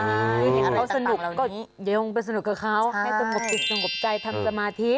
เห็นเขาสนุกก็ยังไปสนุกกับเขาให้สงบจิตสงบใจทำสมาธิ